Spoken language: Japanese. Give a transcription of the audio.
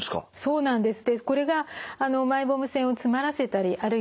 そうなんです。